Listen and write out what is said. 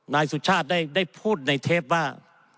นายสุชาติได้พูดในเทปว่า